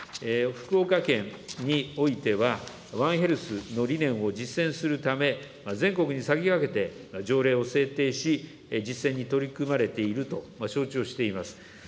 福岡県においては、ワンヘルスの理念を実践するため、全国に先駆けて条例を制定し、実践に取り組まれていると承知をしています。